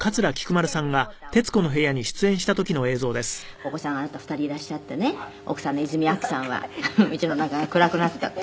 「お子さんがあなた２人いらっしゃってね奥さんの泉アキさんは家の中が暗くなったって。